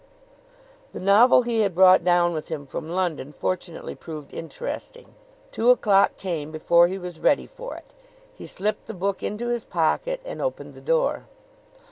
The novel he had brought down with him from London fortunately proved interesting. Two o'clock came before he was ready for it. He slipped the book into his pocket and opened the door.